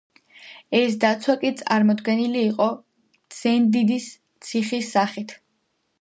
ეს დაცვა კი, წარმოდგენილი იყო ზენდიდის ციხის სახით.